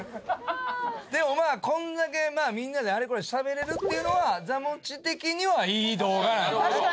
でもまあこんだけみんなであれこれ喋れるっていうのは座持ち的にはいい動画なんでしょうか。